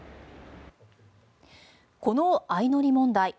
この相乗り問題